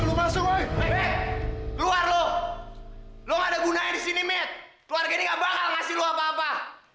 luar lu lu ada gunanya di sini keluarga ini nggak bakal ngasih lu apa apa